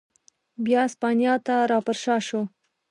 بیا اسپانیا ته را پرشا شو.